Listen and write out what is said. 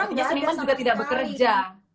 artinya seniman juga tidak bekerja